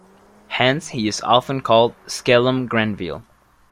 Hence he is often called skellum Grenville.